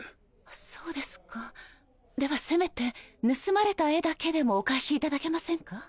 そうですかではせめて盗まれた絵だけでもお返しいただけませんか？